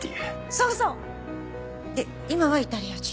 そうそう！で今は「イタリア人」？